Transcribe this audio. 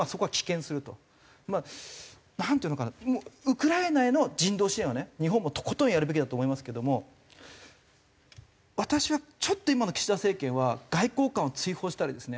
ウクライナへの人道支援はね日本もとことんやるべきだと思いますけども私はちょっと今の岸田政権は外交官を追放したりですね